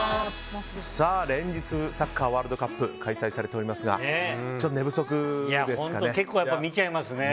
連日、サッカーワールドカップ開催されておりますが結構見ちゃいますね。